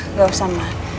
nggak usah ma